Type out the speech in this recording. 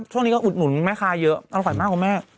ช่วงนี้ก็อุดหนุนแม่ค้าเยอะอร่อยมากคุณแม่